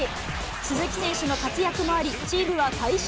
鈴木選手の活躍もあり、チームは快勝。